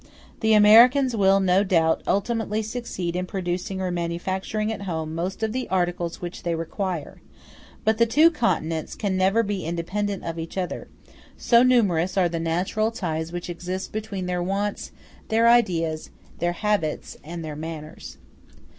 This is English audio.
The Americans will, no doubt, ultimately succeed in producing or manufacturing at home most of the articles which they require; but the two continents can never be independent of each other, so numerous are the natural ties which exist between their wants, their ideas, their habits, and their manners.